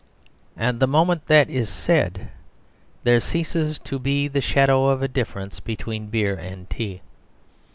And the moment that is said, there ceases to be the shadow of a difference between beer and tea.